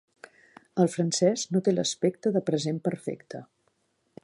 El francès no té l'aspecte de present perfecte.